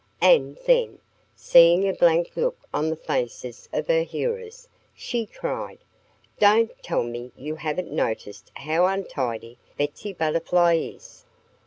And then, seeing a blank look on the faces of her hearers, she cried. "Don't tell me you haven't noticed how untidy Betsy Butterfly is!